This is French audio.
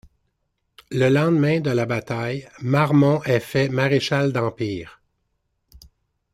Le lendemain de la bataille, Marmont est fait maréchal d'Empire.